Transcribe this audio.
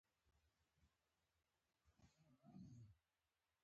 سندره روح ته تازه ګل دی